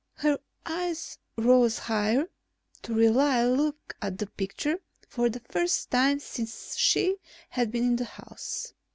Her eyes rose higher to really look at the picture for the first time since she had been in the house.